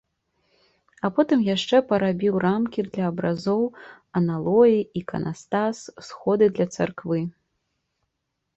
А потым яшчэ парабіў рамкі для абразоў, аналоі, іканастас, сходы для царквы.